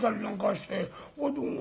「あっどうも。